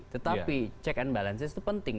tetapi check and balances itu penting